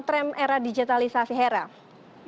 khususnya terus mengikuti dalam